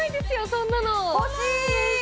そんなの欲しい！